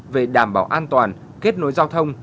về đảm bảo an toàn kết nối giao thông